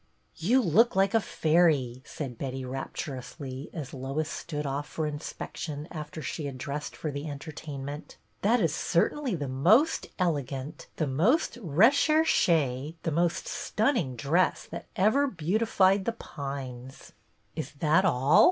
" You look like a fairy," said Betty, raptu rously, as Lois stood off for inspection after she had dressed for the entertainment. " That is certainly the most elegant, the most re cherche, the most stunning dress that ever beautified The Pines." 140 BETTY BAIRD "Is that all?"